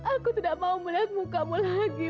aku tidak mau melihat muka kamu lagi